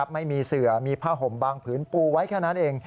ไม่มีเสือมีผ้าห่มบางผืนปูไว้แค่นั้นเอง